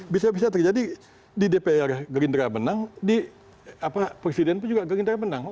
bisa bisa terjadi di dpr gerindra menang presiden pun juga gerindra menang